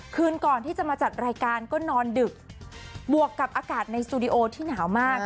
คืนก่อนที่จะมาจัดรายการก็นอนดึกบวกกับอากาศในสตูดิโอที่หนาวมาก